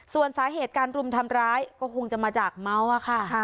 ส่วนสาเหตุการรุมทำร้ายก็คงจะมาจากเมาอะค่ะ